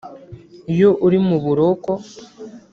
“Iyo uri mu buroko